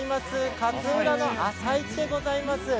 勝浦市の朝市でございます。